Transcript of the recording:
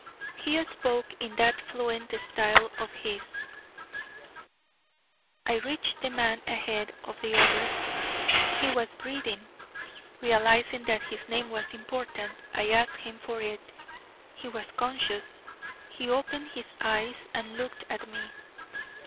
He spoke in that fluent style of his: "I reached the man ahead of the others; he was breathing. Realizing that his name was important, I asked him for it. He was conscious; he opened his eyes and looked at me.